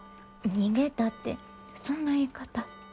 逃げたってそんな言い方。